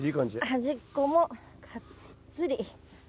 端っこもがっつり。